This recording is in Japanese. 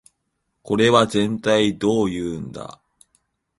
これはぜんたいどういうんだ